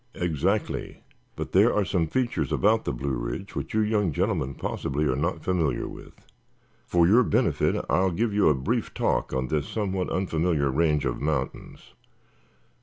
"Exactly. But there are some features about the Blue Ridge which you young gentlemen possibly are not familiar with. For your benefit I will give you a brief talk on this somewhat unfamiliar range of mountains.